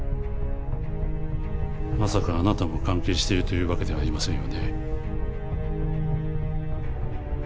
まさかあなたも関係しているというわけではありませんよね？